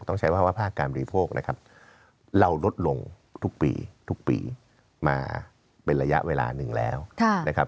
ต้องใช้ว่าภาคการบริโภคนะครับเราลดลงทุกปีทุกปีมาเป็นระยะเวลาหนึ่งแล้วนะครับ